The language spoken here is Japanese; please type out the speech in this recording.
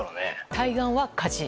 対岸は火事。